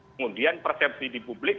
kemudian persepsi di publik